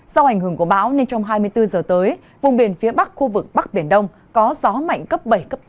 do ảnh hưởng của báo nên trong hai mươi bốn h tới vùng biển phía bắc khu vực bắc biển đông có gió mạnh cấp bảy tám